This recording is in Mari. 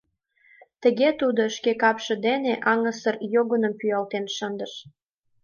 Тыге тудо шке капше дене аҥысыр йогыным пӱялен шындыш.